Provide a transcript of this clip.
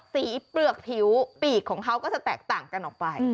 เปลือกผิวปีกของเขาก็จะแตกต่างกันออกไป